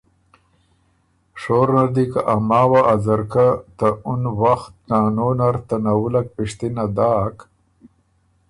شور نر دی که ا ماوه ا ځرکۀ ته اُن وخت نانو نر ته نوُلّک پِشتِنه داک،